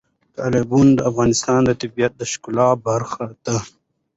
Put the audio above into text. تالابونه د افغانستان د طبیعت د ښکلا برخه ده.